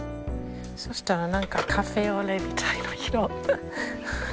そしたら何かカフェオレみたいな色。